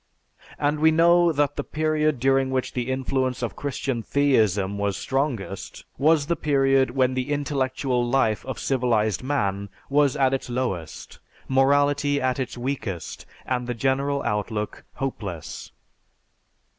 And we know that the period during which the influence of Christian theism was strongest, was the period when the intellectual life of civilized man was at its lowest, morality at its weakest, and the general outlook hopeless.